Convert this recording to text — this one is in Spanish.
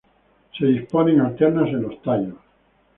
Se disponen alternas en los tallos.